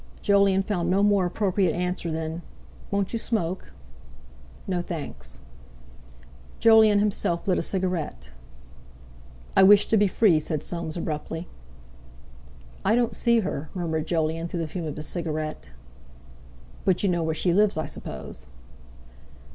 Jolyon found no more appropriate answer than: "Won't you smoke?" "No, thanks." Jolyon himself lit a cigarette. "I wish to be free," said Soames abruptly. "I don't see her," murmured Jolyon through the fume of his cigarette. "But you know where she lives, I suppose?"